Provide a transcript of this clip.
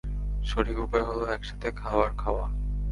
সঠিক উপায় হল একসাথে খাবার খাওয়া।